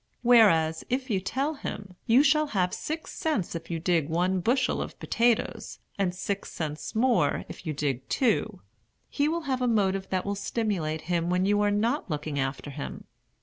Whereas, if you tell him, "You shall have six cents if you dig one bushel of potatoes, and six cents more if you dig two," he will have a motive that will stimulate him when you are not looking after him.